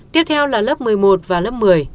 tiếp theo là lớp một mươi một và lớp một mươi